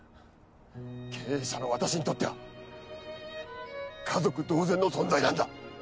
経営者の私にとっては家族同然の存在なんだ。